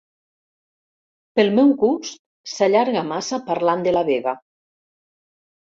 Pel meu gust, s'allarga massa parlant de la Veva.